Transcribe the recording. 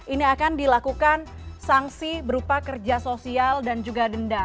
ini akan dilakukan sanksi berupa kerja sosial dan juga denda